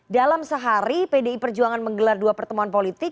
dalam sehari pdi perjuangan menggelar dua pertemuan politik